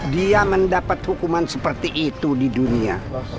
dia mendapat hukuman seperti itu di dunia